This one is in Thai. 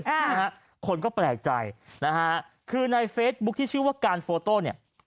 ค่ะนะฮะคนก็แปลกใจนะฮะคือในเฟซบุ๊คที่ชื่อว่าการโฟโต้เนี่ย